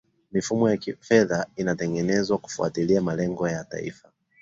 mifumo ya kifedha inatengenezwa kufuatilia malengo ya taifa